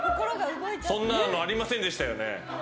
そんなのありませんでしたよね。